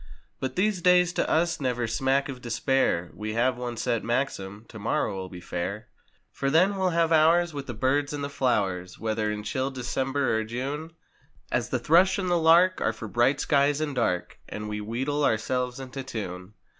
But these days to us never smack of despair, We have one set maxim—"Tomorrow'll be fair." For then, we'll have hours with the birds and the flowers. Whether in chill December or June; As the thrush and the lark are for bright skies and dark And we wheedle ourselves into tune.